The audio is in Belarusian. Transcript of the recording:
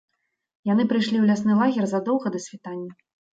Яны прыйшлі ў лясны лагер задоўга да світання.